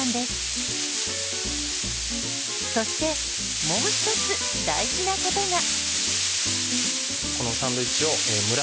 そしてもう一つ大事なことが。